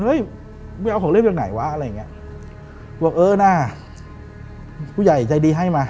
ไม่เอาของเล่นจากไหนวะอะไรอย่างเงี้ยบอกเออนะผู้ใหญ่ใจดีให้มา